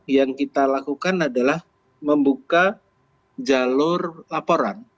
yang kita lakukan adalah membuka jalur laporan